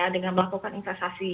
dengan melakukan investasi